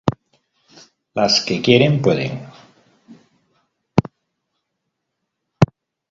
Las que quieren, pueden.